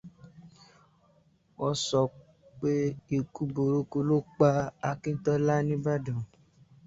Wọ́n sọ pé ikú burúkú ló pa Akíntọ́lá nÍbàdàn